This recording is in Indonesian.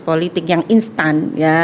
politik yang instan